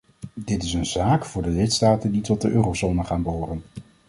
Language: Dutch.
Dit is een zaak voor de lidstaten die tot de eurozone gaan behoren.